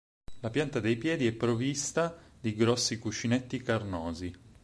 La pianta dei piedi è provvista di grossi cuscinetti carnosi.